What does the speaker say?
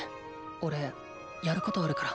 おれやることあるから。